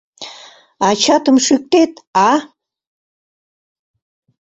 Ачатым шӱктет, а?!